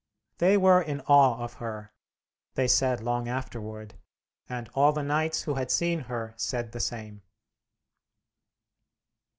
They were in awe of her, they said long afterward, and all the knights who had seen her said the same.